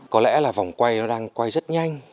có lẽ là vòng quay nó đang quay rất nhanh